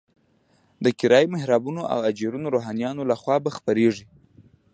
د کرایي محرابونو او اجیرو روحانیونو لخوا به خپرېږي.